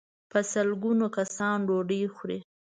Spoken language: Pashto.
په سل ګونو کسان ډوډۍ خوري.